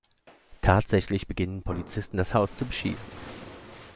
Tatsächlich beginnen Polizisten das Haus zu beschießen.